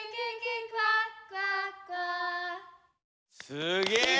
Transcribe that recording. すげえ。